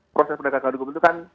proses penegakan hukum itu kan